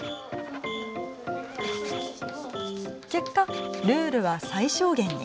結果、ルールは最小限に。